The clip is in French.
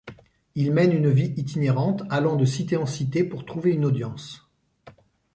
Ils mènent une vie itinérante, allant de cité en cité pour trouver une audience.